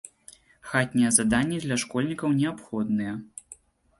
Хатнія заданні для школьнікаў неабходныя.